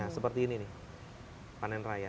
nah seperti ini nih panen raya